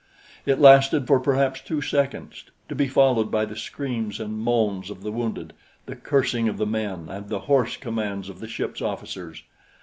It lasted for perhaps two seconds, to be followed by the screams and moans of the wounded, the cursing of the men and the hoarse commands of the ship's officers.